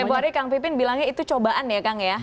februari kang pipin bilangnya itu cobaan ya kang ya